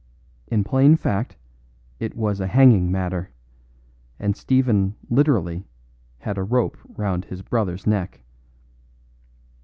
In plain fact, it was a hanging matter, and Stephen literally had a rope round his brother's neck.